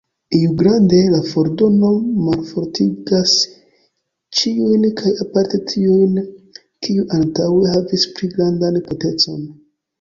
Iugrade, la fordono malfortigas ĉiujn kaj aparte tiujn, kiuj antaŭe havis pli grandan potencon.